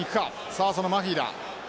さあそのマフィだ。